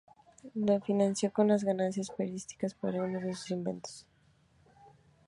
Lo financió con las ganancias percibidas por algunos de sus inventos.